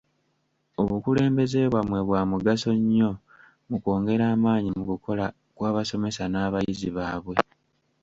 Obukulembeze bwammwe bwa mugaso nnyo mu kwongera amaanyi mu kukola kw'abasomesa n'abayizi baabwe.